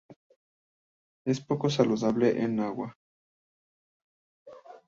Es poco soluble en agua.